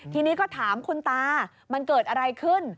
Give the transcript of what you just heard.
ทีนี้ก็ถามคุณตามันเกิดอะไรขึ้น